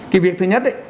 cái việc thứ nhất